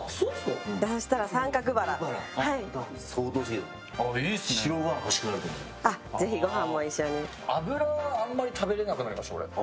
俺、脂あんまり食べれなくなりました。